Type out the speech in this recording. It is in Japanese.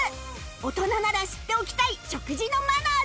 大人なら知っておきたい食事のマナーです